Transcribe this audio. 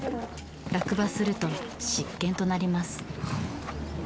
落馬すると失権となります。